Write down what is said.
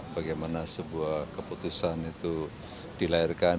bagaimana sebuah keputusan itu dilahirkan